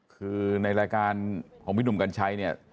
คือในรายการของพี่หนุ่มกัญชัยเนี่ย